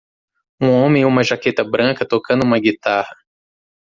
Um homem em uma jaqueta branca tocando uma guitarra.